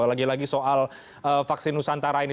lagi lagi soal vaksin nusantara ini